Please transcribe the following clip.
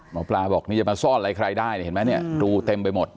หมอปลาบอกนี่จะมาซ่อนอะไรใครได้เนี่ยเห็นไหมเนี่ยรูเต็มไปหมด